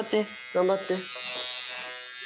頑張って。